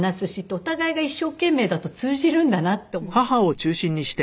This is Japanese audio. お互いが一生懸命だと通じるんだなと思いますね。